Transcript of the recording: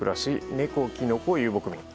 猫キノコ遊牧民。